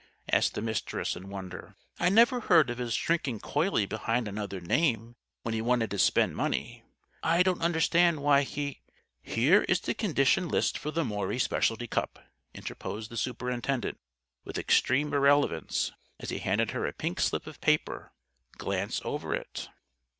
asked the Mistress, in wonder. "I never heard of his shrinking coyly behind another name when he wanted to spend money. I don't understand why he " "Here is the conditions list for the Maury Specialty Cup," interposed the superintendent with extreme irrelevance, as he handed her a pink slip of paper. "Glance over it."